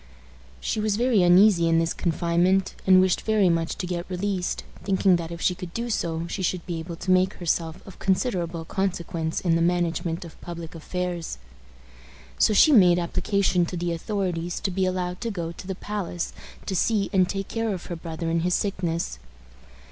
She was very uneasy in this confinement, and wished very much to get released, thinking that if she could do so she should be able to make herself of considerable consequence in the management of public affairs. So she made application to the authorities to be allowed to go to the palace to see and take care of her brother in his sickness.